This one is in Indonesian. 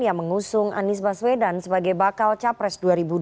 yang mengusung anies baswedan sebagai bakal capres dua ribu dua puluh